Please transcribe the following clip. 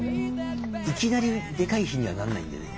いきなりでかい火にはなんないんでね。